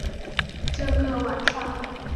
这个晚上